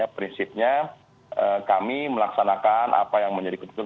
prinsipnya kami melaksanakan apa yang menjadi kebutuhan